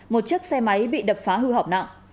một chiếc xe máy bị đập phá hư hỏng nặng